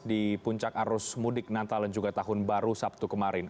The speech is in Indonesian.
di puncak arus mudik natal dan juga tahun baru sabtu kemarin